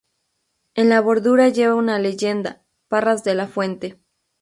En la bordura lleva una leyenda: Parras de la Fuente.